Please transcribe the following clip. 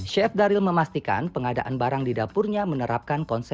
chef daryl memastikan pengadaan barang di dapurnya menerapkan konsep